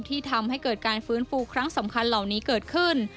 ที่ทำให้เกิดการฟื้นฟูครั้งสำคัญเหล่านี้เกิดขึ้น